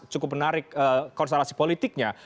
cukup menarik konstelasi politiknya